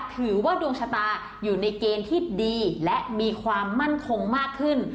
ถือว่าดวงชะตาอยู่ในเกณฑ์ที่ดีและมีความมั่นคงมากขึ้น